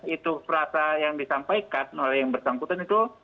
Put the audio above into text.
itu frasa yang disampaikan oleh yang bersangkutan itu